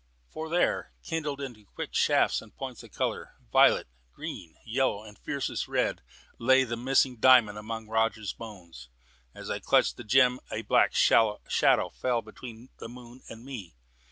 For there, kindled into quick shafts and points of colour violet, green, yellow, and fieriest red lay the missing diamond among Roger's bones. As I clutched the gem a black shadow fell between the moon and me.